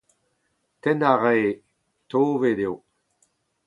Tennañ a rae Tove dezho !